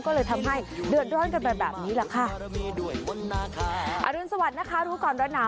ก็เลยทำให้เดือดร้อนกันไปแบบนี้แหละค่ะอรุณสวัสดิ์นะคะรู้ก่อนร้อนหนาว